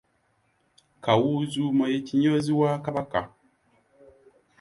Kawuuzuumo ye kinyoozi wa Kabaka.